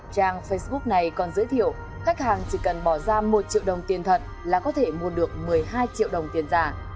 trang facebook này còn giới thiệu khách hàng chỉ cần bỏ ra một triệu đồng tiền thật là có thể mua được một mươi hai triệu đồng tiền giả